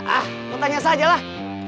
ah kau tanya sajalah